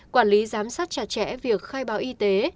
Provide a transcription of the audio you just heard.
quản lý giám sát chặt chẽ việc khai báo y tế